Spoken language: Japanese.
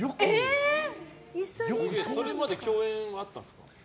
それまで共演あったんですか？